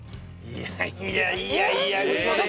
いやいやいやいやうそでしょ？